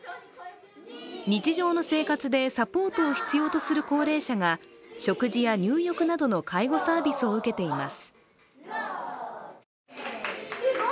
日常の生活でサポートを必要とする高齢者が食事や入浴などの介護サービスを受けています。